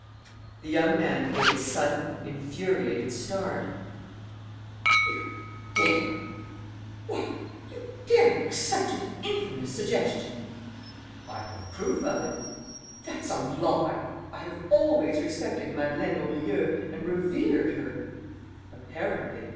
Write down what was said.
The young man gave a sudden, infuriated start: "You dare!... What! You dare make such an infamous suggestion?" "I have proof of it." "That's a lie! I have always respected Madeleine Aubrieux and revered her...." "Apparently.